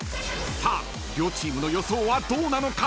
［さあ両チームの予想はどうなのか？］